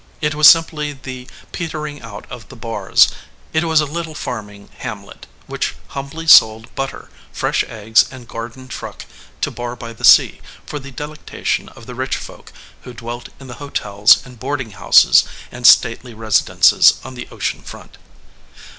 It was simply the petering out of the Barrs. It was a little farming hamlet, which humbly sold butter, fresh eggs, and garden truck to Barr by the Sea for the delectation of the rich folk who dwelt in the hotels and boarding houses and stately residences on the ocean front.